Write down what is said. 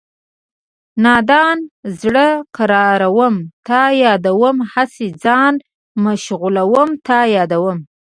نادان زړه قراروم تا یادوم هسې ځان مشغولوم تا یادوم